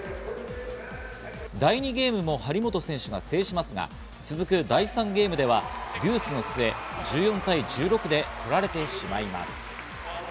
第２ゲームも張本選手が制しますが、続く第３ゲームではデュースの末、１４対１６で取られてしまいます。